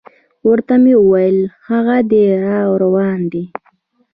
ورته مې وویل: هاغه دی را روان دی.